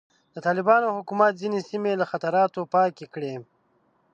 د طالبانو حکومت ځینې سیمې له خطراتو پاکې کړې.